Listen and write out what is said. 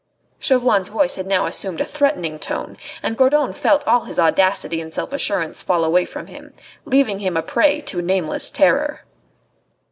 Chauvelin's voice had now assumed a threatening tone, and Gourdon felt all his audacity and self assurance fall away from him, leaving him a prey to nameless terror.